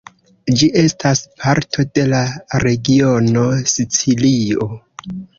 Ĝi estas parto de la regiono Sicilio.